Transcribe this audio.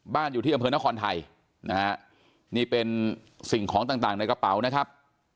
อยู่ที่อำเภอนครไทยนะฮะนี่เป็นสิ่งของต่างในกระเป๋านะครับ